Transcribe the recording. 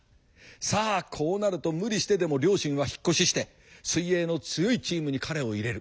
さあこうなると無理してでも両親は引っ越しして水泳の強いチームに彼を入れる。